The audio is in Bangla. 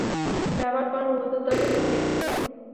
ব্যবহার করেন ঊর্ধ্বতন ব্যক্তিরা।